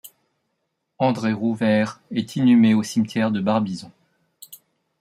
André Rouveyre est inhumé au cimetière de Barbizon.